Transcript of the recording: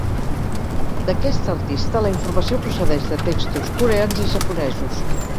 D'aquest artista la informació procedeix de textos coreans i japonesos.